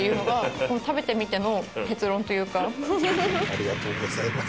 ありがとうございます。